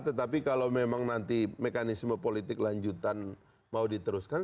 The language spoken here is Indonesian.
tetapi kalau memang nanti mekanisme politik lanjutan mau diteruskan